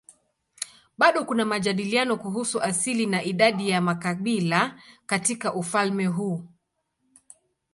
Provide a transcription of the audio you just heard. Bado kuna majadiliano kuhusu asili na idadi ya makabila katika ufalme huu.